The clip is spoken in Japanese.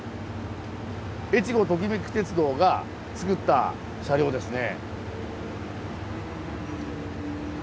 えちごトキめき鉄道が造った車両ですね。